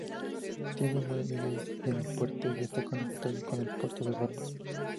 Tiene muelles en el puerto y está conectado con el puerto de Varna.